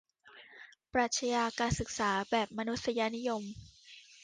ปรัชญาการศึกษาแบบมนุษยนิยม